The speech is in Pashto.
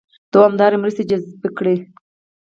دوامدارې مرستې جذبې کړي.